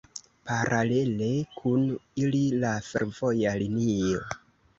Paralele kun ili la fervoja linio.